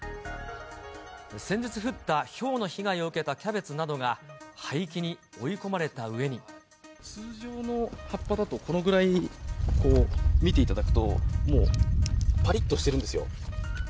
先日降ったひょうの被害を受けたキャベツなどが廃棄に追い込まれ通常の葉っぱだと、このぐらい、見ていただくと、もうぱりっとしてるんですよ。